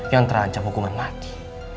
yang terancam hukuman mati